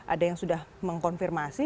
ada yang sudah mengkonfirmasi